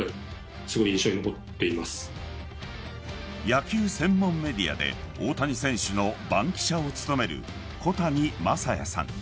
野球専門メディアで大谷選手の番記者を務める小谷真弥さん。